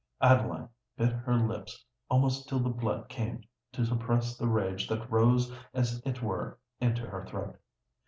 Adeline bit her lips almost till the blood came, to suppress the rage that rose as it were into her throat.